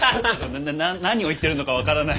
ななな何を言ってるのか分からない。